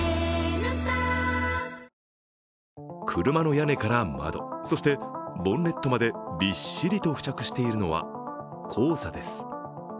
車の屋根から窓そしてボンネットまでびっしりと付着しているのは黄砂です。